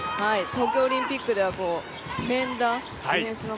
東京オリンピックではディフェンダー。